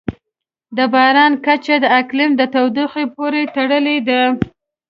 د باران کچه د اقلیم د تودوخې پورې تړلې ده.